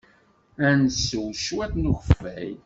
Ad nsew cwiṭ n ukeffay.